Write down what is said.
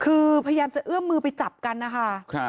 คือพยายามจะเอื้อมมือไปจับกันนะคะ